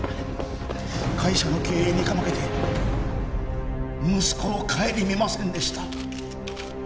会社の経営にかまけて息子を顧みませんでした。